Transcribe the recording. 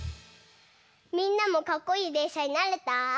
みんなもかっこいいでんしゃになれた？